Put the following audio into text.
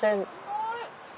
はい！